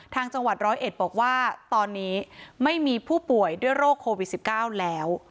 จังหวัดร้อยเอ็ดบอกว่าตอนนี้ไม่มีผู้ป่วยด้วยโรคโควิด๑๙แล้ว